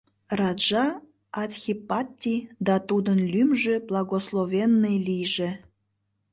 — Раджа Адхипатти, да тудын лӱмжӧ благословенный лийже...